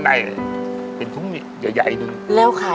ตัวหน้าค่ะ